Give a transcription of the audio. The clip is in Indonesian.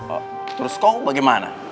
oh terus kau bagaimana